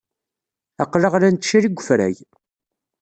Aql-aɣ la nettcali deg wefrag.